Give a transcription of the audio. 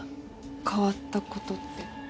変わったことって？